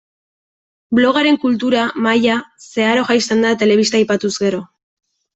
Blogaren kultura maila zeharo jaisten da telebista aipatuz gero.